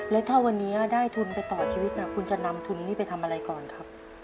แล้วถ้าวันนี้ได้ทุนไปต่อชีวิตคุณจะนำทุนนี้ไปทำอะไรก่อนครับ